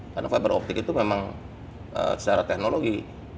karena fiberoptik itu memang secara teknologi